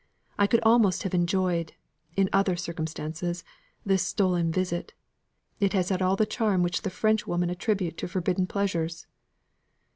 I could almost have enjoyed in other circumstances this stolen visit: it has had all the charm which the Frenchwoman attributed to forbidden pleasures."